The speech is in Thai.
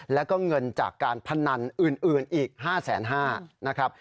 แล้วก็เงินจากการพนันอื่นอีก๕๕๐๐นะครับ